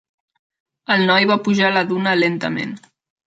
El noi va pujar la duna lentament.